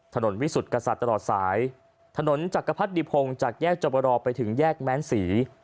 วิสุทธิกษัตริย์ตลอดสายถนนจักรพรรดิพงศ์จากแยกจบรอไปถึงแยกแม้นศรี